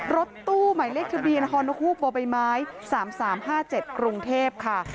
รถตู้หมายเลขที่บินฮโนคูปบม๓๓๕๗กรุงเทพฯค่ะ